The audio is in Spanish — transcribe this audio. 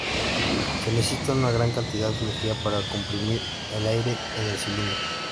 Se necesita una gran cantidad de energía para comprimir el aire en el cilindro.